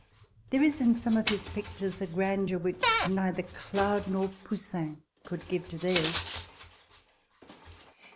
There is in some of his pictures a grandeur which neither Claude nor Poussin could give to theirs.